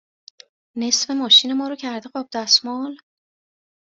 نصف ماشین ما رو کرده قاب دستمال؟